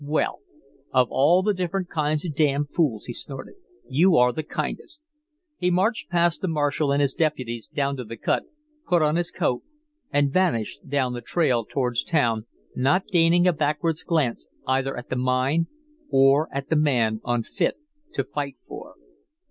"Well, of all the different kinds of damn fools," he snorted, "you are the kindest." He marched past the marshal and his deputies down to the cut, put on his coat, and vanished down the trail towards town, not deigning a backward glance either at the mine or at the man unfit to fight for.